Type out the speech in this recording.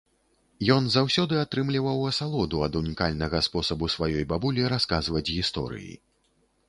Ён заўсёды атрымліваў асалоду ад унікальнага спосабу сваёй бабулі расказваць гісторыі.